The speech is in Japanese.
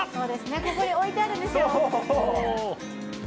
ここに置いてあるんですよ。